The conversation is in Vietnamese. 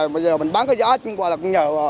bây giờ mình bán cái giá chúng qua là cũng nhờ